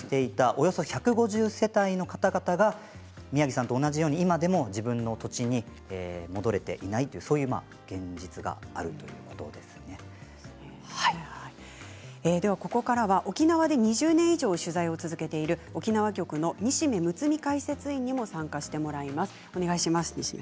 およそ１５０世帯の方々が宮城さんと同じように今でも自分の土地に戻れていないという現実がここからは沖縄で２０年以上取材を続けている、沖縄局の西銘むつみ解説委員にも参加してもらいます。